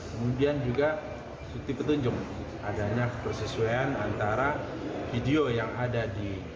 kemudian juga bukti petunjuk adanya persesuaian antara video yang ada di